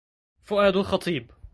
فؤاد الخطيب